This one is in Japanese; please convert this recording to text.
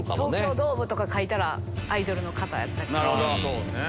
東京ドームとか書いたらアイドルの方やったりね。